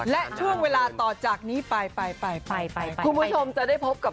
และช่วงเวลาต่อจากนี้ไปไปไปคุณผู้ชมจะได้พบกับ